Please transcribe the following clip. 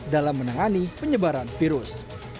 dalam menangani penyebaran virus